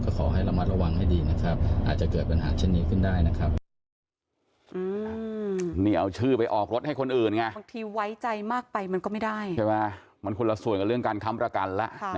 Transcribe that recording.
ขอให้ระมัดระวังให้ดีนะครับอาจจะเกิดปัญหาเช่นนี้ขึ้นได้นะครับ